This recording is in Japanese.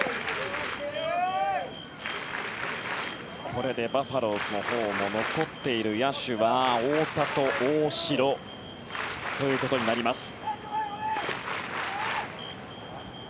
これでバファローズのほうも残っている野手は太田と大城ということになります。